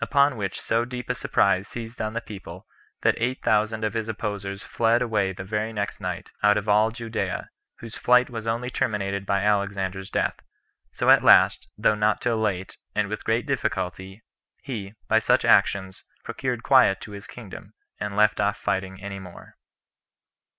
Upon which so deep a surprise seized on the people, that eight thousand of his opposers fled away the very next night, out of all Judea, whose flight was only terminated by Alexander's death; so at last, though not till late, and with great difficulty, he, by such actions, procured quiet to his kingdom, and left off fighting any more.